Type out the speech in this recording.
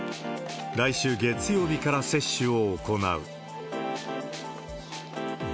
来週月曜日から接種を行う。